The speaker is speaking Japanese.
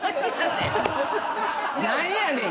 何やねん⁉